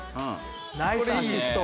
ナイスアシスト。